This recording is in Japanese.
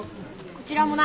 こちらもな。